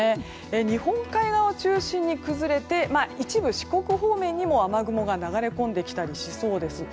日本海側を中心に崩れて一部四国方面にも雨雲が流れ込んだりしそうです。